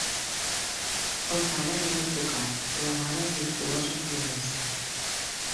El pare era advocat i la mare virtuosa pianista.